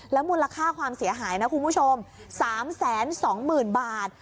มูลค่าความเสียหายนะคุณผู้ชม๓๒๐๐๐บาท